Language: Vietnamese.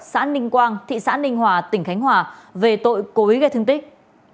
xã ninh quang thị xã ninh hòa tỉnh khánh hòa về tội cối gây thương tích